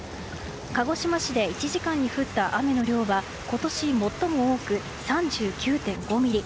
鹿児島市で１時間に降った雨の量は今年最も多く、３９．５ミリ。